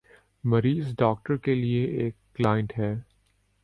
مریض ڈاکٹر کے لیے ایک "کلائنٹ" ہے۔